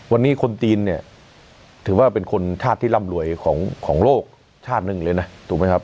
วันนี้คนจีนเนี่ยถือว่าเป็นคนชาติที่ร่ำรวยของโลกชาติหนึ่งเลยนะถูกไหมครับ